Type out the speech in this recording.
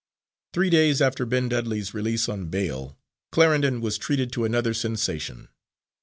Three days after Ben Dudley's release on bail, Clarendon was treated to another sensation.